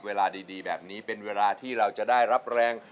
เวลาดีแบบนี้เป็นเวลาที่เราจะได้รับแรง